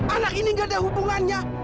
anak ini gak ada hubungannya